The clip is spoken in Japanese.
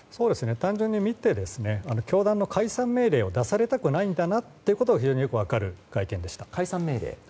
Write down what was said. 単純に見て教団の解散命令を出されたくないんだなということが非常によく分かる会見でした。